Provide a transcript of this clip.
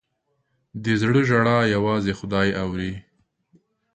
د زړه ژړا یوازې خدای اوري.